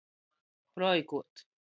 Proikuot.